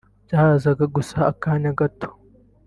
byahazaga gusa akanya gato